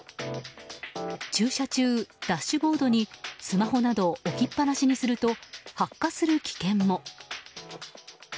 駐車中、ダッシュボードにスマホなど置きっぱなしにすると発火する危険も。